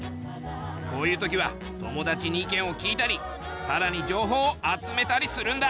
こういう時は友達に意見を聞いたりさらに情報を集めたりするんだ。